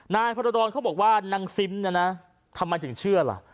นายพรดรเขาบอกว่านางซิมเนี่ยนะทำไมถึงเชื่อล่ะ